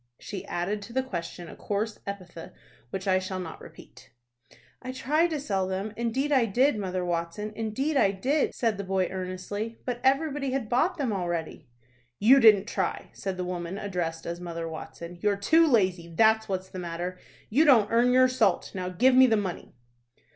She added to the question a coarse epithet which I shall not repeat. "I tried to sell them, indeed I did, Mother Watson, indeed I did," said the boy, earnestly, "but everybody had bought them already." "You didn't try," said the woman addressed as Mother Watson. "You're too lazy, that's what's the matter. You don't earn your salt. Now give me the money."